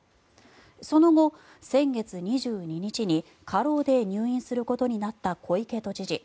その後、先月２２日に過労で入院することになった小池都知事。